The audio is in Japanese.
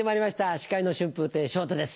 司会の春風亭昇太です